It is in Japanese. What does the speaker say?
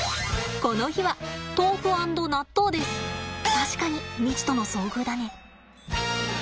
確かに未知との遭遇だね。